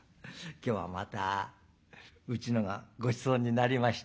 今日はまたうちのがごちそうになりまして」。